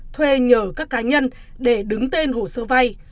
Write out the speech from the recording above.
thuê nhờ các cá nhân để đứng tên hồ sơ vay